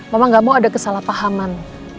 memang gak mau ada kesalahpahaman